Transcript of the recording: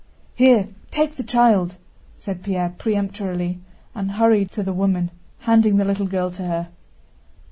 "Here, take the child!" said Pierre peremptorily and hurriedly to the woman, handing the little girl to her.